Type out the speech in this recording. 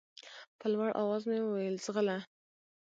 په لوړ اواز مې وويل ځغله.